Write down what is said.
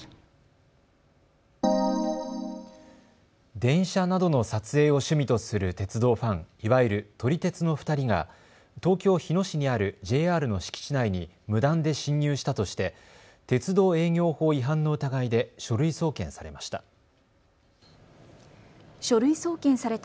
電車などの撮影を趣味とする鉄道ファン、いわゆる撮り鉄の２人が東京日野市にあるＪＲの敷地内に無断で侵入したとして鉄道営業法違反の疑いで書類送検されました。